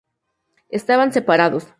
Estaban separados.